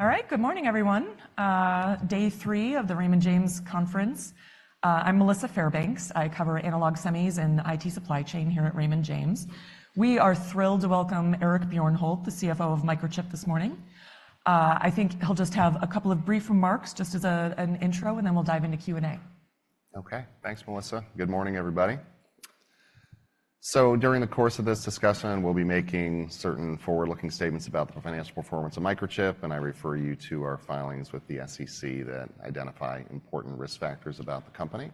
All right, good morning everyone. Day three of the Raymond James Conference. I'm Melissa Fairbanks. I cover analog semis and IT supply chain here at Raymond James. We are thrilled to welcome Eric Bjornholt, the CFO of Microchip, this morning. I think he'll just have a couple of brief remarks just as an intro, and then we'll dive into Q&A. Okay. Thanks, Melissa. Good morning, everybody. So during the course of this discussion, we'll be making certain forward-looking statements about the financial performance of Microchip, and I refer you to our filings with the SEC that identify important risk factors about the company.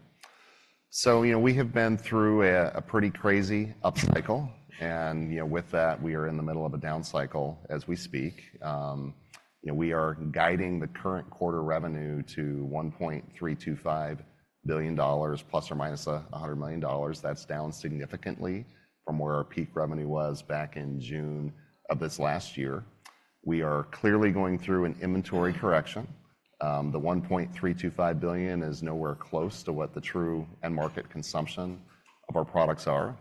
So, you know, we have been through a pretty crazy upcycle, and, you know, with that, we are in the middle of a downcycle as we speak. You know, we are guiding the current quarter revenue to $1.325 billion ± $100 million. That's down significantly from where our peak revenue was back in June of this last year. We are clearly going through an inventory correction. The $1.325 billion is nowhere close to what the true end-market consumption of our products are.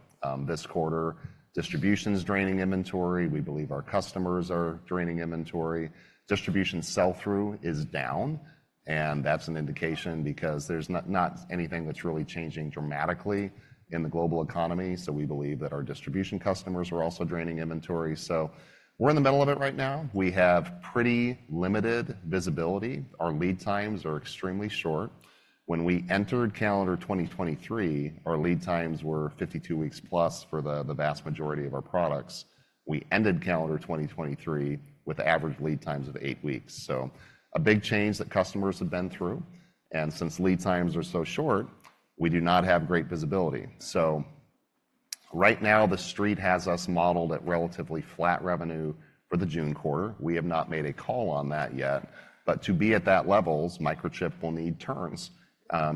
This quarter, distribution is draining inventory. We believe our customers are draining inventory. Distribution sell-through is down, and that's an indication because there's not anything that's really changing dramatically in the global economy. So we believe that our distribution customers are also draining inventory. So we're in the middle of it right now. We have pretty limited visibility. Our lead times are extremely short. When we entered calendar 2023, our lead times were 52 weeks plus for the vast majority of our products. We ended calendar 2023 with average lead times of eight weeks. So a big change that customers have been through. And since lead times are so short, we do not have great visibility. So right now, the Street has us modeled at relatively flat revenue for the June quarter. We have not made a call on that yet. To be at that levels, Microchip will need turns,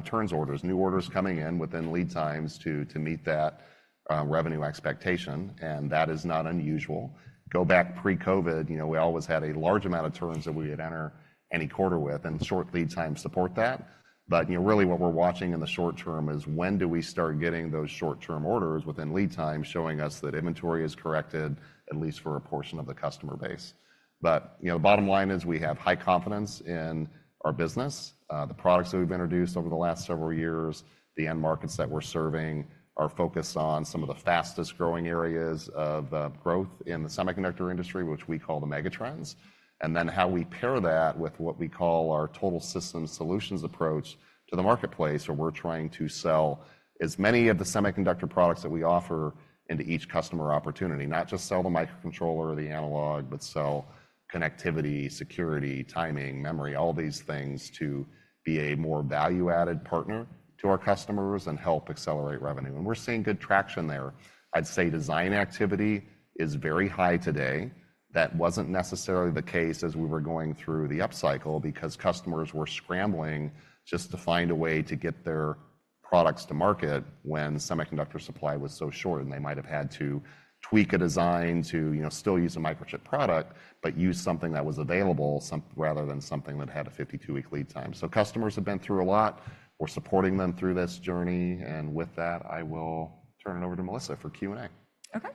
turn orders, new orders coming in within lead times to meet that revenue expectation. And that is not unusual. Go back pre-COVID, you know, we always had a large amount of turns that we would enter any quarter with, and short lead times support that. But, you know, really what we're watching in the short term is when do we start getting those short-term orders within lead times showing us that inventory is corrected, at least for a portion of the customer base. But, you know, the bottom line is we have high confidence in our business. The products that we've introduced over the last several years, the end markets that we're serving, are focused on some of the fastest-growing areas of growth in the semiconductor industry, which we call the Megatrends. Then how we pair that with what we call our Total System Solutions approach to the marketplace where we're trying to sell as many of the semiconductor products that we offer into each customer opportunity, not just sell the microcontroller or the analog, but sell connectivity, security, timing, memory, all these things to be a more value-added partner to our customers and help accelerate revenue. And we're seeing good traction there. I'd say design activity is very high today. That wasn't necessarily the case as we were going through the upcycle because customers were scrambling just to find a way to get their products to market when semiconductor supply was so short, and they might have had to tweak a design to, you know, still use a Microchip product but use something that was available rather than something that had a 52-week lead time. So customers have been through a lot. We're supporting them through this journey. With that, I will turn it over to Melissa for Q&A. Okay.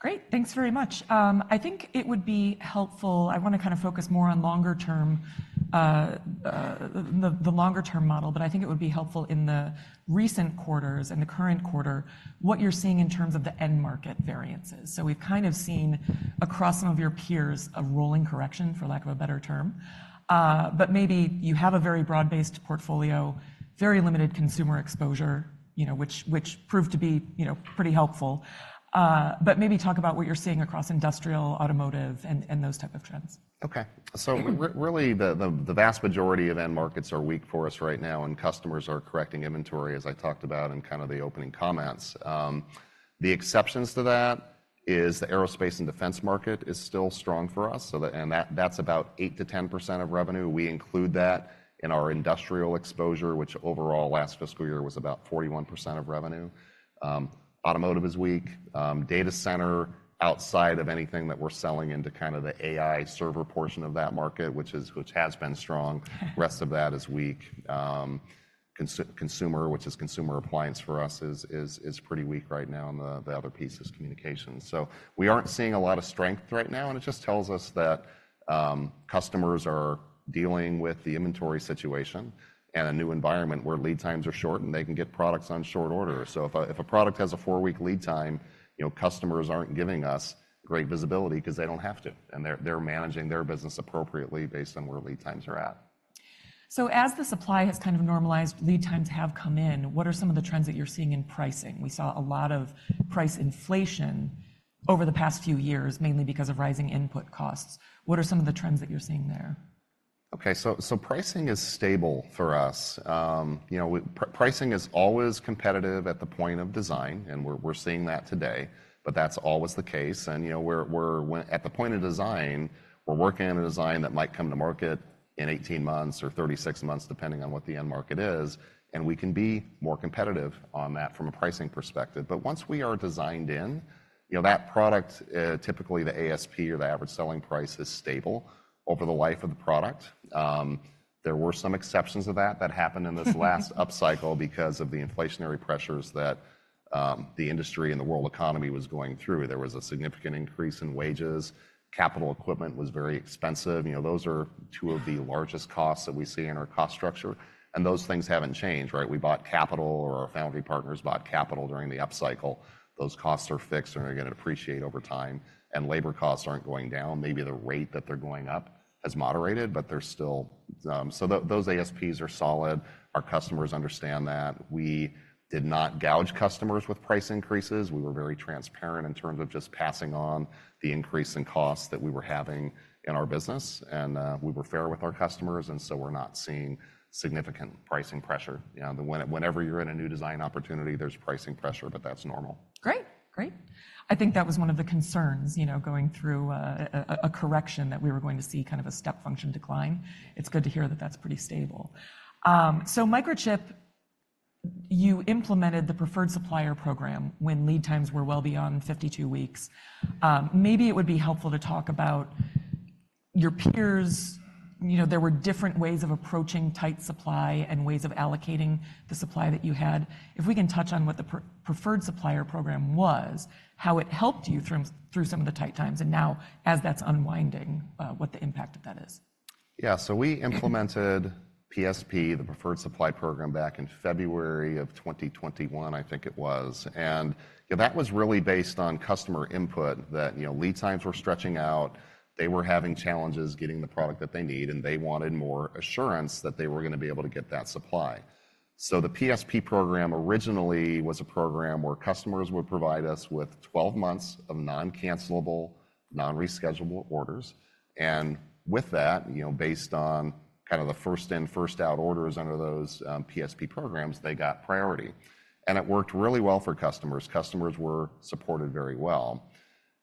Great. Thanks very much. I think it would be helpful. I want to kind of focus more on longer-term, the longer-term model. But I think it would be helpful in the recent quarters and the current quarter what you're seeing in terms of the end-market variances. So we've kind of seen across some of your peers a rolling correction, for lack of a better term. But maybe you have a very broad-based portfolio, very limited consumer exposure, you know, which proved to be, you know, pretty helpful. But maybe talk about what you're seeing across industrial, automotive, and those types of trends. Okay. So really, the vast majority of end markets are weak for us right now, and customers are correcting inventory, as I talked about in kind of the opening comments. The exceptions to that are the aerospace and defense market is still strong for us. So, and that's about 8% to 10% of revenue. We include that in our industrial exposure, which overall last fiscal year was about 41% of revenue. Automotive is weak. Data center, outside of anything that we're selling into kind of the AI server portion of that market, which has been strong. Rest of that is weak. Consumer, which is consumer appliance for us, is pretty weak right now. The other piece is communications. So we aren't seeing a lot of strength right now. It just tells us that customers are dealing with the inventory situation and a new environment where lead times are short and they can get products on short order. If a product has a four-week lead time, you know, customers aren't giving us great visibility because they don't have to. They're managing their business appropriately based on where lead times are at. So as the supply has kind of normalized, lead times have come in. What are some of the trends that you're seeing in pricing? We saw a lot of price inflation over the past few years, mainly because of rising input costs. What are some of the trends that you're seeing there? Okay. So pricing is stable for us. You know, pricing is always competitive at the point of design, and we're seeing that today. But that's always the case. And, you know, we're at the point of design, we're working on a design that might come to market in 18 months or 36 months, depending on what the end market is. And we can be more competitive on that from a pricing perspective. But once we are designed in, you know, that product, typically the ASP or the average selling price, is stable over the life of the product. There were some exceptions to that that happened in this last upcycle because of the inflationary pressures that the industry and the world economy was going through. There was a significant increase in wages. Capital equipment was very expensive. You know, those are two of the largest costs that we see in our cost structure. Those things haven't changed, right? We bought capital, or our foundry partners bought capital during the upcycle. Those costs are fixed and are going to depreciate over time. Labor costs aren't going down. Maybe the rate that they're going up has moderated, but they're still, so those ASPs are solid. Our customers understand that. We did not gouge customers with price increases. We were very transparent in terms of just passing on the increase in costs that we were having in our business. We were fair with our customers. So we're not seeing significant pricing pressure. You know, whenever you're in a new design opportunity, there's pricing pressure, but that's normal. Great. Great. I think that was one of the concerns, you know, going through a correction that we were going to see kind of a step function decline. It's good to hear that that's pretty stable. So Microchip, you implemented the Preferred Supply Program when lead times were well beyond 52 weeks. Maybe it would be helpful to talk about your peers. You know, there were different ways of approaching tight supply and ways of allocating the supply that you had. If we can touch on what the Preferred Supply Program was, how it helped you through some of the tight times and now as that's unwinding, what the impact of that is. Yeah. So we implemented PSP, the Preferred Supply Program, back in February of 2021, I think it was. And, you know, that was really based on customer input that, you know, lead times were stretching out, they were having challenges getting the product that they need, and they wanted more assurance that they were going to be able to get that supply. So the PSP Program originally was a program where customers would provide us with 12 months of non-cancelable, non-reschedulable orders. And with that, you know, based on kind of the first-in, first-out orders under those PSP programs, they got priority. And it worked really well for customers. Customers were supported very well.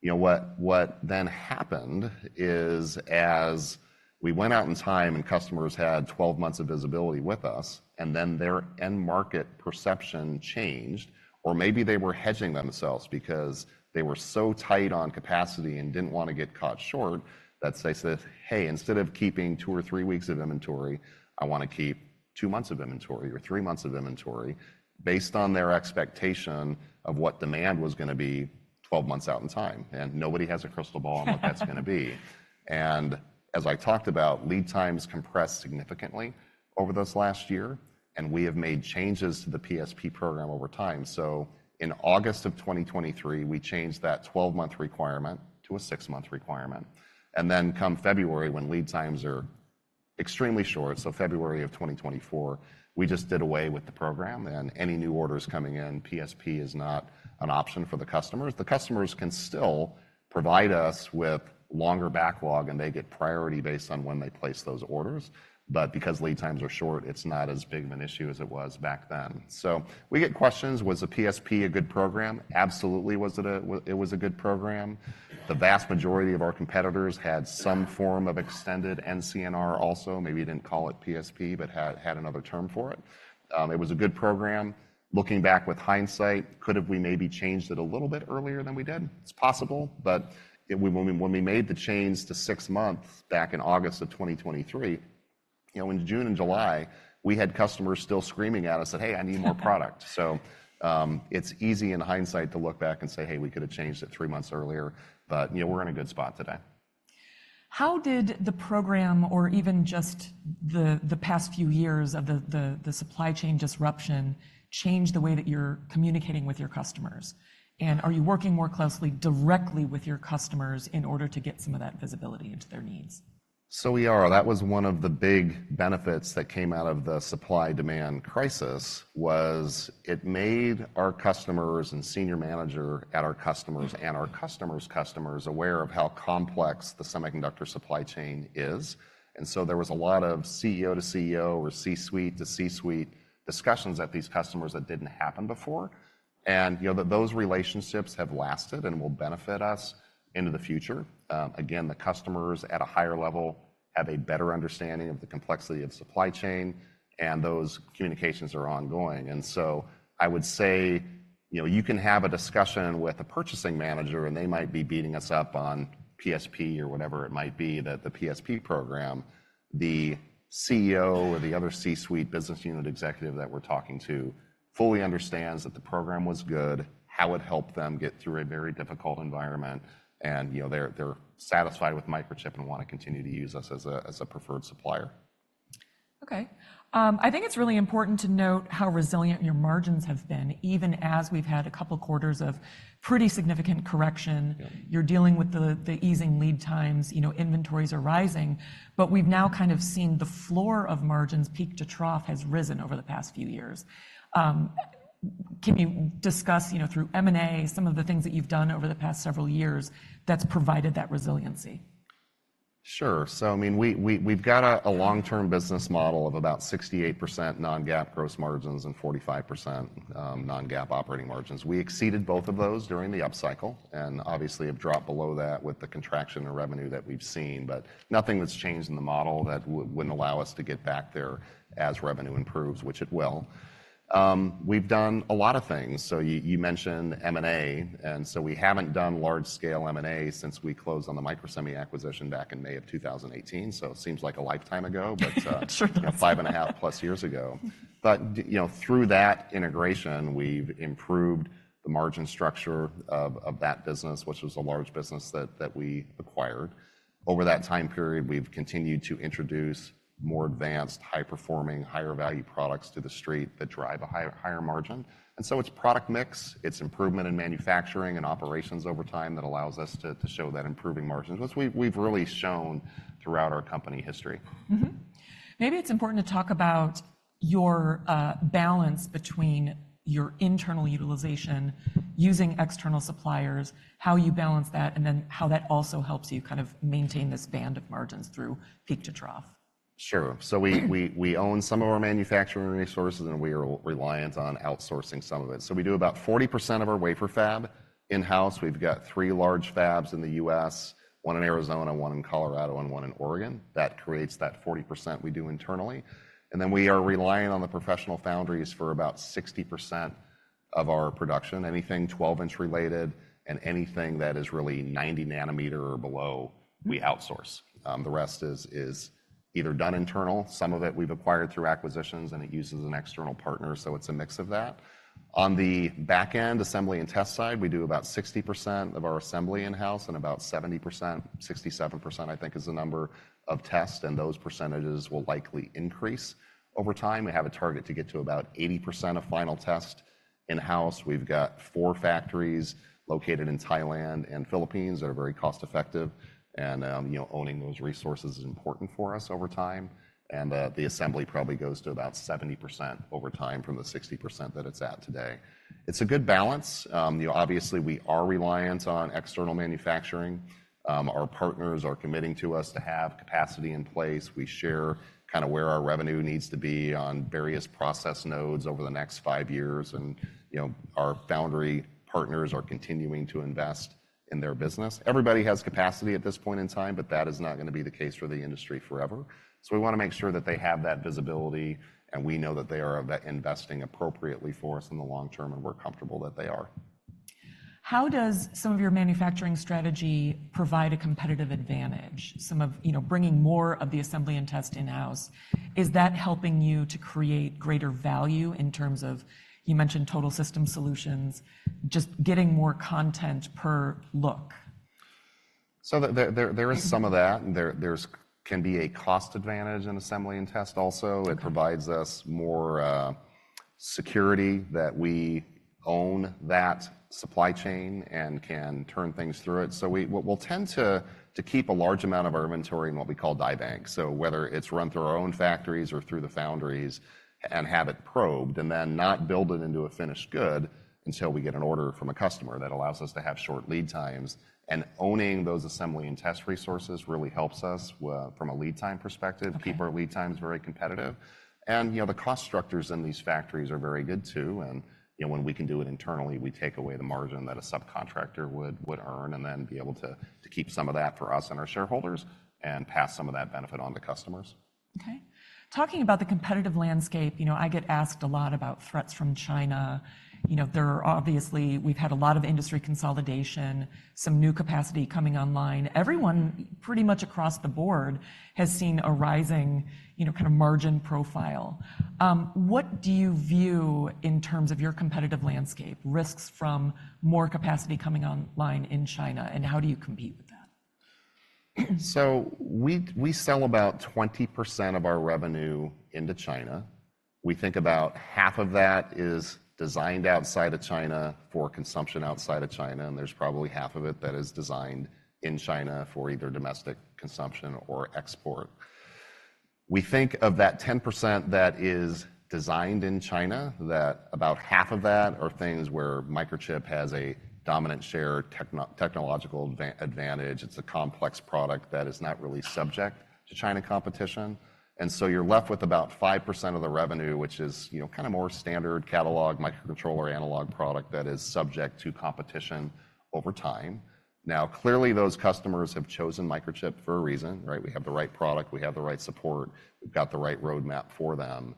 You know, what then happened is as we went out in time and customers had 12 months of visibility with us, and then their end-market perception changed, or maybe they were hedging themselves because they were so tight on capacity and didn't want to get caught short that they said, "Hey, instead of keeping two or three weeks of inventory, I want to keep two months of inventory or three months of inventory," based on their expectation of what demand was going to be 12 months out in time. And nobody has a crystal ball on what that's going to be. And as I talked about, lead times compressed significantly over this last year, and we have made changes to the PSP Program over time. So in August of 2023, we changed that 12-month requirement to a six-month requirement. Then come February, when lead times are extremely short, so February of 2024, we just did away with the program. Any new orders coming in, PSP is not an option for the customers. The customers can still provide us with longer backlog, and they get priority based on when they place those orders. But because lead times are short, it's not as big of an issue as it was back then. We get questions. Was the PSP a good program? Absolutely, was it a good program? The vast majority of our competitors had some form of extended NCNR also. Maybe you didn't call it PSP, but had another term for it. It was a good program. Looking back with hindsight, could have we maybe changed it a little bit earlier than we did? It's possible. But when we made the change to six months back in August of 2023, you know, in June and July, we had customers still screaming at us that, "Hey, I need more product." So it's easy in hindsight to look back and say, "Hey, we could have changed it three months earlier." But, you know, we're in a good spot today. How did the program, or even just the past few years of the supply chain disruption, change the way that you're communicating with your customers? And are you working more closely directly with your customers in order to get some of that visibility into their needs? So we are. That was one of the big benefits that came out of the supply-demand crisis, was, it made our customers and senior managers at our customers and our customers' customers aware of how complex the semiconductor supply chain is. So there was a lot of CEO to CEO or C-suite to C-suite discussions at these customers that didn't happen before. You know, those relationships have lasted and will benefit us into the future. Again, the customers at a higher level have a better understanding of the complexity of supply chain, and those communications are ongoing. And so I would say, you know, you can have a discussion with a purchasing manager, and they might be beating us up on PSP or whatever it might be, that the PSP Program, the CEO or the other C-suite business unit executive that we're talking to fully understands that the program was good, how it helped them get through a very difficult environment, and, you know, they're satisfied with Microchip and want to continue to use us as a preferred supplier. Okay. I think it's really important to note how resilient your margins have been, even as we've had a couple quarters of pretty significant correction. You're dealing with the easing lead times. You know, inventories are rising. But we've now kind of seen the floor of margins peak to trough has risen over the past few years. Can you discuss, you know, through M&A, some of the things that you've done over the past several years that's provided that resiliency? Sure. So, I mean, we've got a long-term business model of about 68% non-GAAP gross margins and 45% non-GAAP operating margins. We exceeded both of those during the upcycle and obviously have dropped below that with the contraction of revenue that we've seen. But nothing that's changed in the model that wouldn't allow us to get back there as revenue improves, which it will. We've done a lot of things. So you mentioned M&A. And so we haven't done large-scale M&A since we closed on the Microsemi acquisition back in May of 2018. So it seems like a lifetime ago, but 5.5+ years ago. But, you know, through that integration, we've improved the margin structure of that business, which was a large business that we acquired. Over that time period, we've continued to introduce more advanced, high-performing, higher-value products to the Street that drive a higher margin. And so it's product mix, it's improvement in manufacturing and operations over time that allows us to show that improving margins, which we've really shown throughout our company history. Maybe it's important to talk about your balance between your internal utilization, using external suppliers, how you balance that, and then how that also helps you kind of maintain this band of margins through peak to trough. Sure. So we own some of our manufacturing resources, and we are reliant on outsourcing some of it. So we do about 40% of our wafer fab in-house. We've got three large fabs in the US, one in Arizona, one in Colorado, and one in Oregon. That creates that 40% we do internally. And then we are relying on the professional foundries for about 60% of our production. Anything 12-inch-related and anything that is really 90-nanometer or below, we outsource. The rest is either done internally. Some of it we've acquired through acquisitions, and it uses an external partner. So it's a mix of that. On the back-end assembly and test side, we do about 60% of our assembly in-house and about 70%, 67%, I think, is the number of tests. And those percentages will likely increase over time. We have a target to get to about 80% of final tests in-house. We've got four factories located in Thailand and Philippines that are very cost-effective. You know, owning those resources is important for us over time. The assembly probably goes to about 70% over time from the 60% that it's at today. It's a good balance. You know, obviously, we are reliant on external manufacturing. Our partners are committing to us to have capacity in place. We share kind of where our revenue needs to be on various process nodes over the next five years. You know, our foundry partners are continuing to invest in their business. Everybody has capacity at this point in time, but that is not going to be the case for the industry forever. We want to make sure that they have that visibility, and we know that they are investing appropriately for us in the long term, and we're comfortable that they are. How does some of your manufacturing strategy provide a competitive advantage? Some of, you know, bringing more of the assembly and tests in-house, is that helping you to create greater value in terms of, you mentioned Total System Solutions, just getting more content per look? So there is some of that. And there can be a cost advantage in assembly and test also. It provides us more security that we own that supply chain and can turn things through it. So we'll tend to keep a large amount of our inventory in what we call die banks. So whether it's run through our own factories or through the foundries and have it probed and then not build it into a finished good until we get an order from a customer that allows us to have short lead times. And owning those assembly and test resources really helps us from a lead time perspective, keep our lead times very competitive. And, you know, the cost structures in these factories are very good, too. You know, when we can do it internally, we take away the margin that a subcontractor would earn and then be able to keep some of that for us and our shareholders and pass some of that benefit on to customers. Okay. Talking about the competitive landscape, you know, I get asked a lot about threats from China. You know, there are, obviously, we've had a lot of industry consolidation, some new capacity coming online. Everyone pretty much across the board has seen a rising, you know, kind of margin profile. What do you view in terms of your competitive landscape, risks from more capacity coming online in China? And how do you compete with that? So we sell about 20% of our revenue into China. We think about half of that is designed outside of China for consumption outside of China. And there's probably half of it that is designed in China for either domestic consumption or export. We think of that 10% that is designed in China, that about half of that are things where Microchip has a dominant share technological advantage. It's a complex product that is not really subject to China competition. And so you're left with about 5% of the revenue, which is, you know, kind of more standard catalog microcontroller analog product that is subject to competition over time. Now, clearly, those customers have chosen Microchip for a reason, right? We have the right product, we have the right support, we've got the right roadmap for them.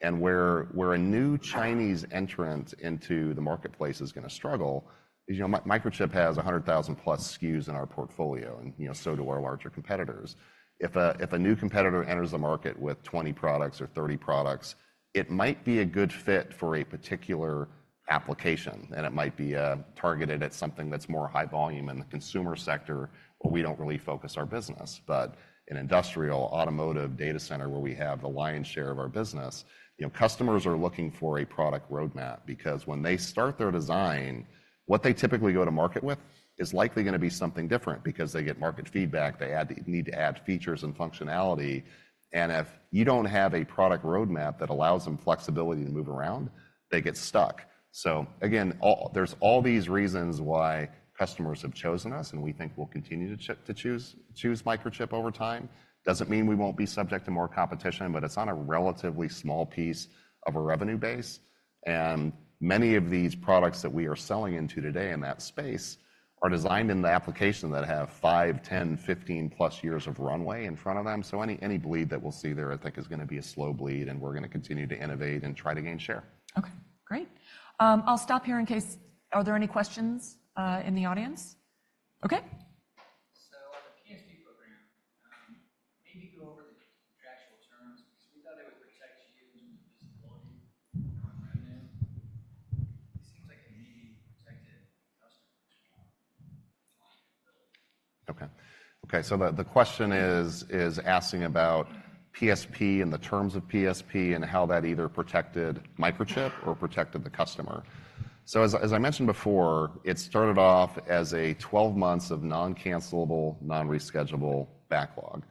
Where a new Chinese entrant into the marketplace is going to struggle is, you know, Microchip has 100,000-plus SKUs in our portfolio, and, you know, so do our larger competitors. If a new competitor enters the market with 20 products or 30 products, it might be a good fit for a particular application. It might be targeted at something that's more high volume in the consumer sector where we don't really focus our business. But in industrial, automotive, data center, where we have the lion's share of our business, you know, customers are looking for a product roadmap because when they start their design, what they typically go to market with is likely going to be something different because they get market feedback, they need to add features and functionality. If you don't have a product roadmap that allows them flexibility to move around, they get stuck. So, again, there's all these reasons why customers have chosen us, and we think they'll continue to choose Microchip over time. Doesn't mean we won't be subject to more competition, but it's on a relatively small piece of a revenue base. And many of these products that we are selling into today in that space are designed in the application that have five, 10, 15+ years of runway in front of them. So any bleed that we'll see there, I think, is going to be a slow bleed, and we're going to continue to innovate and try to gain share. Okay. Great. I'll stop here in case. Are there any questions in the audience? Okay. So on the PSP Program, maybe go over the contractual terms because we thought it would protect you in terms of visibility and revenue. It seems like it maybe protected customers from liability. Okay. Okay. The question is asking about PSP and the terms of PSP and how that either protected Microchip or protected the customer. As I mentioned before, it started off as a 12 months of non-cancelable, non-reschedulable backlog.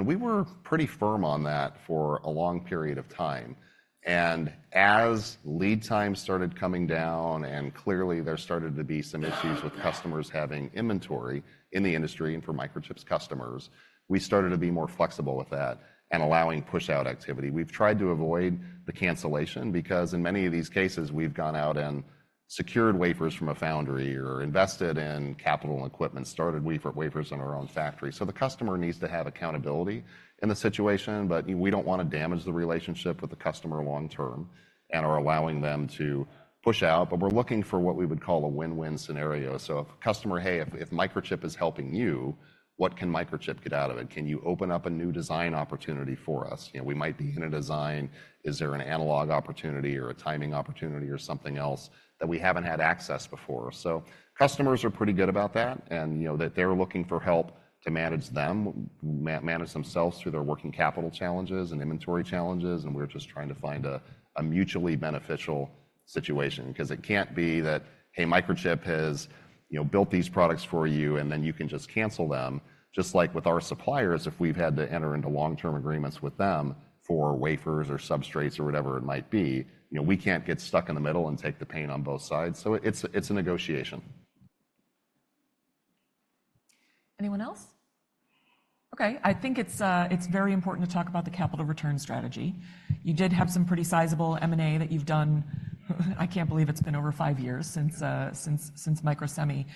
We were pretty firm on that for a long period of time. As lead times started coming down and clearly there started to be some issues with customers having inventory in the industry and for Microchip's customers, we started to be more flexible with that and allowing push-out activity. We've tried to avoid the cancellation because in many of these cases, we've gone out and secured wafers from a foundry or invested in capital and equipment, started wafers in our own factory. The customer needs to have accountability in the situation. But we don't want to damage the relationship with the customer long-term and are allowing them to push out. But we're looking for what we would call a win-win scenario. So if a customer, "Hey, if Microchip is helping you, what can Microchip get out of it? Can you open up a new design opportunity for us?" You know, we might be in a design. Is there an analog opportunity or a timing opportunity or something else that we haven't had access before? So customers are pretty good about that. And, you know, they're looking for help to manage them, manage themselves through their working capital challenges and inventory challenges. We're just trying to find a mutually beneficial situation because it can't be that, "Hey, Microchip has, you know, built these products for you, and then you can just cancel them." Just like with our suppliers, if we've had to enter into long-term agreements with them for wafers or substrates or whatever it might be, you know, we can't get stuck in the middle and take the pain on both sides. So it's a negotiation. Anyone else? Okay. I think it's very important to talk about the capital return strategy. You did have some pretty sizable M&A that you've done. I can't believe it's been over five years since Microsemi.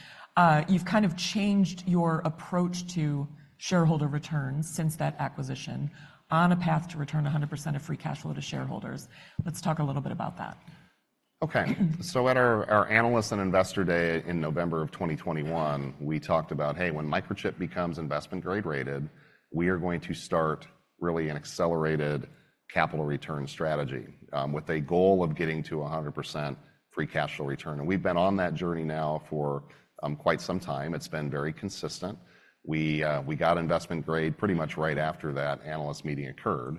You've kind of changed your approach to shareholder returns since that acquisition on a path to return 100% of free cash flow to shareholders. Let's talk a little bit about that. Okay. So at our Analyst and Investor Day in November of 2021, we talked about, "Hey, when Microchip becomes investment-grade rated, we are going to start really an accelerated capital return strategy with a goal of getting to 100% free cash flow return." We've been on that journey now for quite some time. It's been very consistent. We got investment-grade pretty much right after that analyst meeting occurred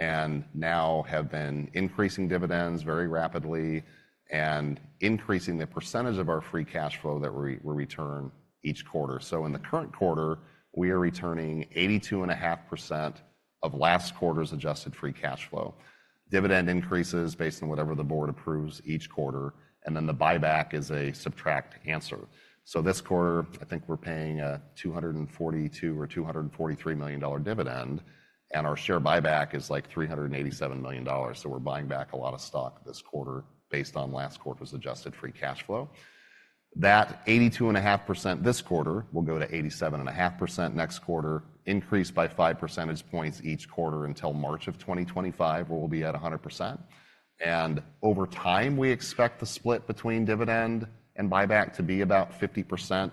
and now have been increasing dividends very rapidly and increasing the percentage of our free cash flow that we return each quarter. So in the current quarter, we are returning 82.5% of last quarter's adjusted free cash flow. Dividend increases based on whatever the board approves each quarter. Then the buyback is a subtract answer. So this quarter, I think we're paying a $242 million or $243 million dividend. And our share buyback is like $387 million. So we're buying back a lot of stock this quarter based on last quarter's adjusted free cash flow. That 82.5% this quarter will go to 87.5% next quarter, increased by five percentage points each quarter until March of 2025, where we'll be at 100%. And over time, we expect the split between dividend and buyback to be about 50%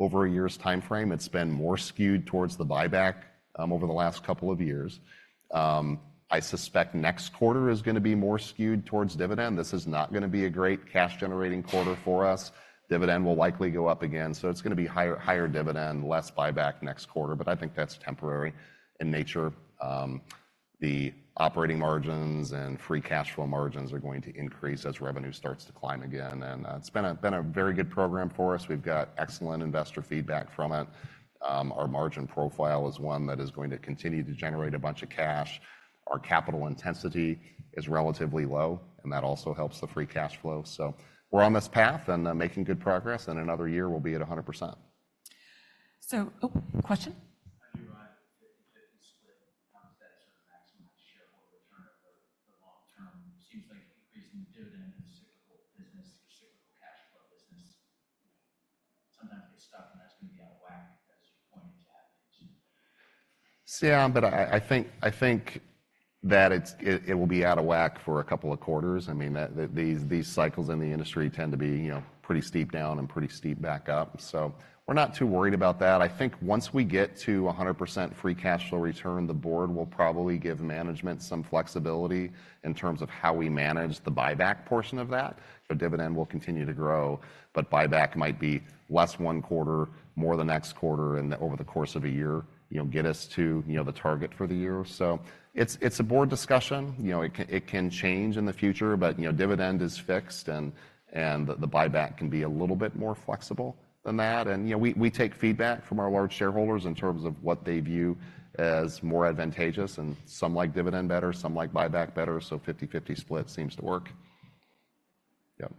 over a year's time frame. It's been more skewed towards the buyback over the last couple of years. I suspect next quarter is going to be more skewed towards dividend. This is not going to be a great cash-generating quarter for us. Dividend will likely go up again. So it's going to be higher dividend, less buyback next quarter. But I think that's temporary in nature. The operating margins and free cash flow margins are going to increase as revenue starts to climb again. It's been a very good program for us. We've got excellent investor feedback from it. Our margin profile is one that is going to continue to generate a bunch of cash. Our capital intensity is relatively low, and that also helps the free cash flow. So we're on this path and making good progress. In another year, we'll be at 100%. So question? How do you write a dividend split? How does that sort of maximize shareholder return over the long term? Seems like increasing the dividend in a cyclical business or cyclical cash flow business, you know, sometimes gets stuck, and that's going to be out of whack, as you pointed to, at least. Yeah. But I think that it will be out of whack for a couple of quarters. I mean, these cycles in the industry tend to be, you know, pretty steep down and pretty steep back up. So we're not too worried about that. I think once we get to 100% free cash flow return, the board will probably give management some flexibility in terms of how we manage the buyback portion of that. So dividend will continue to grow. But buyback might be less one quarter, more the next quarter, and over the course of a year, you know, get us to, you know, the target for the year. So it's a board discussion. You know, it can change in the future, but, you know, dividend is fixed, and the buyback can be a little bit more flexible than that. You know, we take feedback from our large shareholders in terms of what they view as more advantageous. Some like dividend better, some like buyback better. 50/50 split seems to work. Yep.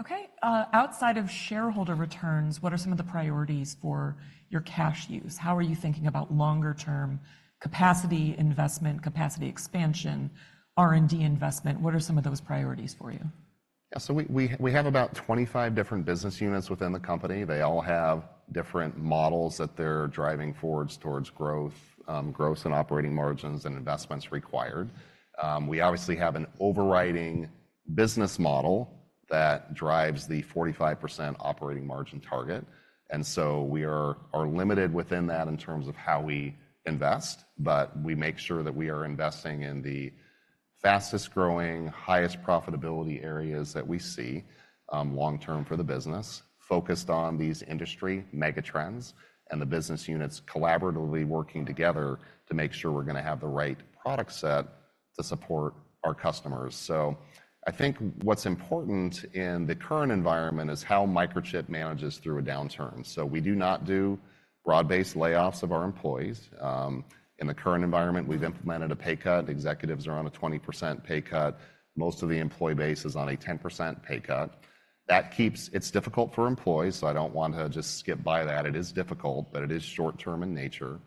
Okay. Outside of shareholder returns, what are some of the priorities for your cash use? How are you thinking about longer-term capacity investment, capacity expansion, R&D investment? What are some of those priorities for you? Yeah. So we have about 25 different business units within the company. They all have different models that they're driving forwards towards growth, growth in operating margins, and investments required. We obviously have an overriding business model that drives the 45% operating margin target. So we are limited within that in terms of how we invest. But we make sure that we are investing in the fastest-growing, highest-profitability areas that we see long-term for the business, focused on these industry Megatrends and the business units collaboratively working together to make sure we're going to have the right product set to support our customers. So I think what's important in the current environment is how Microchip manages through a downturn. So we do not do broad-based layoffs of our employees. In the current environment, we've implemented a pay cut. Executives are on a 20% pay cut. Most of the employee base is on a 10% pay cut. That makes it difficult for employees. So I don't want to just skip by that. It is difficult, but it is short-term in nature.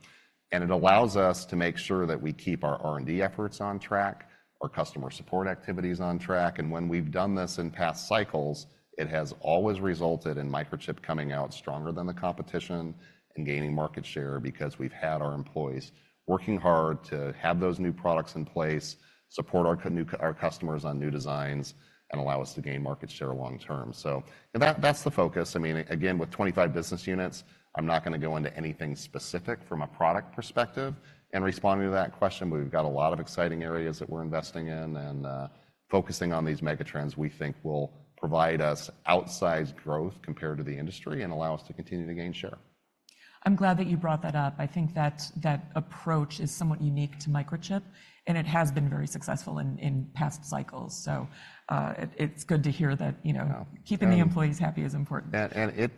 And it allows us to make sure that we keep our R&D efforts on track, our customer support activities on track. And when we've done this in past cycles, it has always resulted in Microchip coming out stronger than the competition and gaining market share because we've had our employees working hard to have those new products in place, support our customers on new designs, and allow us to gain market share long-term. So that's the focus. I mean, again, with 25 business units, I'm not going to go into anything specific from a product perspective. Responding to that question, we've got a lot of exciting areas that we're investing in and focusing on these Megatrends we think will provide us outsized growth compared to the industry and allow us to continue to gain share. I'm glad that you brought that up. I think that approach is somewhat unique to Microchip, and it has been very successful in past cycles. So it's good to hear that, you know, keeping the employees happy is important.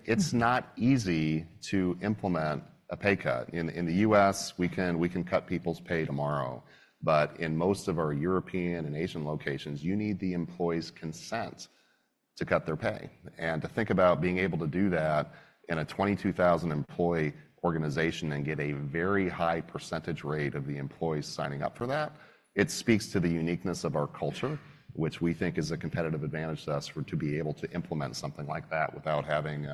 It's not easy to implement a pay cut. In the US, we can cut people's pay tomorrow. In most of our European and Asian locations, you need the employee's consent to cut their pay. And to think about being able to do that in a 22,000-employee organization and get a very high percentage rate of the employees signing up for that, it speaks to the uniqueness of our culture, which we think is a competitive advantage to us to be able to implement something like that without having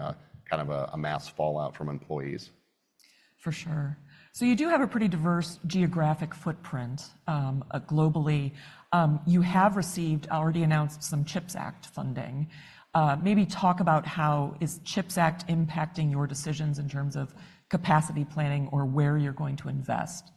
kind of a mass fallout from employees. For sure. So you do have a pretty diverse geographic footprint globally. You have received, already announced, some CHIPS Act funding. Maybe talk about how is CHIPS Act impacting your decisions in terms of capacity planning or where you're going to invest?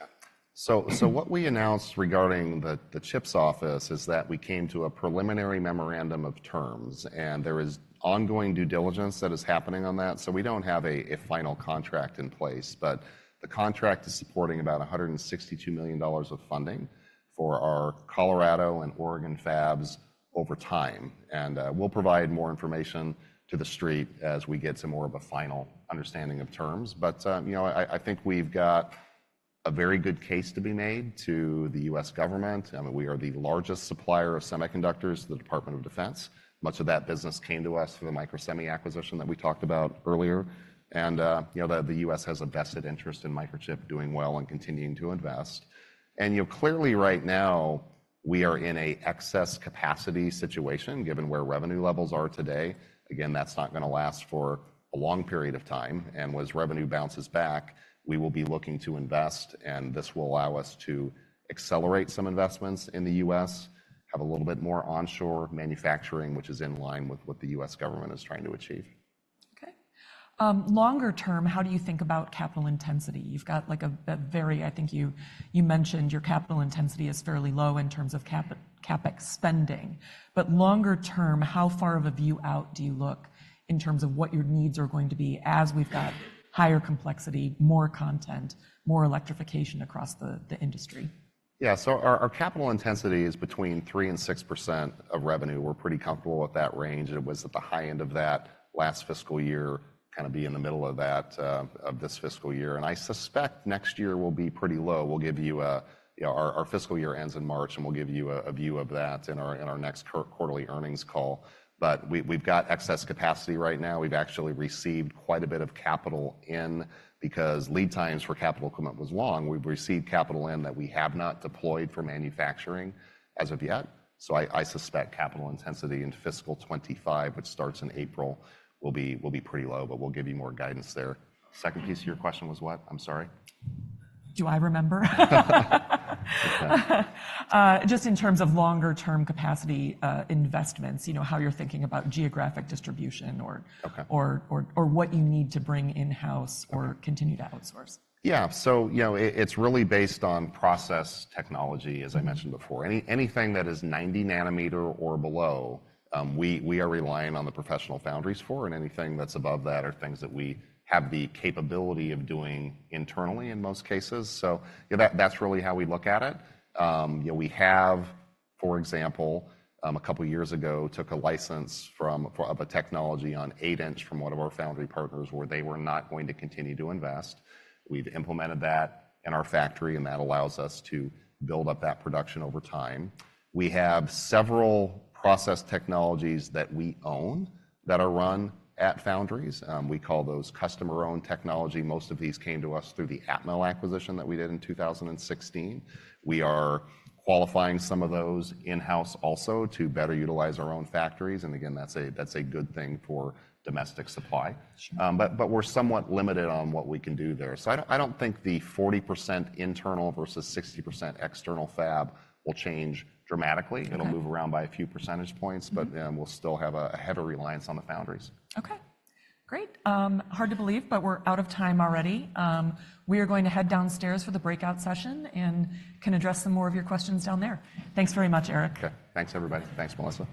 Yeah. So what we announced regarding the CHIPS Office is that we came to a preliminary memorandum of terms, and there is ongoing due diligence that is happening on that. So we don't have a final contract in place. But the contract is supporting about $162 million of funding for our Colorado and Oregon fabs over time. And we'll provide more information to the Street as we get to more of a final understanding of terms. But, you know, I think we've got a very good case to be made to the US government. I mean, we are the largest supplier of semiconductors to the Department of Defense. Much of that business came to us through the Microsemi acquisition that we talked about earlier. And, you know, the US has a vested interest in Microchip doing well and continuing to invest. And, you know, clearly right now, we are in an excess capacity situation given where revenue levels are today. Again, that's not going to last for a long period of time. And as revenue bounces back, we will be looking to invest. And this will allow us to accelerate some investments in the US, have a little bit more onshore manufacturing, which is in line with what the US government is trying to achieve. Okay. Longer term, how do you think about capital intensity? You've got like a very—I think you mentioned—your capital intensity is fairly low in terms of CapEx spending. But longer term, how far of a view out do you look in terms of what your needs are going to be as we've got higher complexity, more content, more electrification across the industry? Yeah. So our capital intensity is between 3% and 6% of revenue. We're pretty comfortable with that range. And it was at the high end of that last fiscal year, kind of be in the middle of that of this fiscal year. And I suspect next year will be pretty low. We'll give you a, you know, our fiscal year ends in March, and we'll give you a view of that in our next quarterly earnings call. But we've got excess capacity right now. We've actually received quite a bit of capital in because lead times for capital equipment was long. We've received capital in that we have not deployed for manufacturing as of yet. So I suspect capital intensity in fiscal 2025, which starts in April, will be pretty low. But we'll give you more guidance there. Second piece of your question was what? I'm sorry? Do I remember? Okay. Just in terms of longer-term capacity investments, you know, how you're thinking about geographic distribution or what you need to bring in-house or continue to outsource? Yeah. So, you know, it's really based on process technology, as I mentioned before. Anything that is 90 nanometer or below, we are relying on the professional foundries for. And anything that's above that are things that we have the capability of doing internally in most cases. So, you know, that's really how we look at it. You know, we have, for example, a couple of years ago, took a license of a technology on 8-inch from one of our foundry partners where they were not going to continue to invest. We've implemented that in our factory, and that allows us to build up that production over time. We have several process technologies that we own that are run at foundries. We call those customer-owned technology. Most of these came to us through the Atmel acquisition that we did in 2016. We are qualifying some of those in-house also to better utilize our own factories. And, again, that's a good thing for domestic supply. But we're somewhat limited on what we can do there. So I don't think the 40% internal versus 60% external fab will change dramatically. It'll move around by a few percentage points, but we'll still have a heavy reliance on the foundries. Okay. Great. Hard to believe, but we're out of time already. We are going to head downstairs for the breakout session and can address some more of your questions down there. Thanks very much, Eric. Okay. Thanks, everybody. Thanks, Melissa.